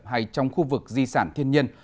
hay trong khu vực di sản thiên nhiên